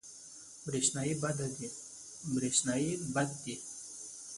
پریشاني بد دی.